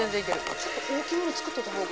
ちょっと大きめの作っといた方が。